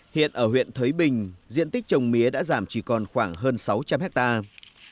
hiện ở huyện thới bình diện tích trồng mía đã giảm chỉ còn khoảng hơn sáu trăm linh hectare